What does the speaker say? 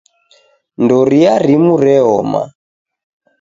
Ndoria rimu reoma